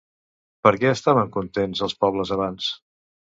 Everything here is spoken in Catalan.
Per què estaven contents als pobles abans?